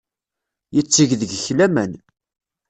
Yetteg deg-k laman.